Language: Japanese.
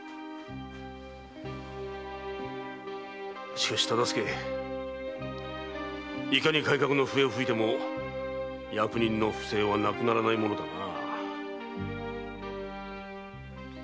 しかし忠相いかに改革の笛を吹いても役人の不正はなくならないものだな。